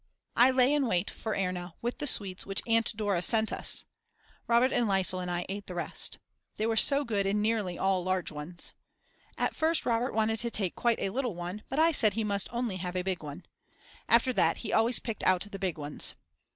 I lay in wait for Erna with the sweets which Aunt Dora sent us. Robert and Liesel and I ate the rest. They were so good and nearly all large ones. At first Robert wanted to take quite a little one, but I said he must only have a big one. After that he always picked out the big ones.